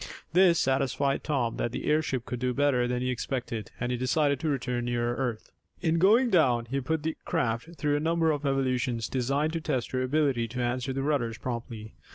This satisfied Tom that the airship could do better than he expected, and he decided to return nearer earth. In going down, he put the craft through a number of evolutions designed to test her ability to answer the rudders promptly.